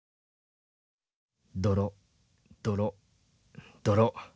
「泥泥泥。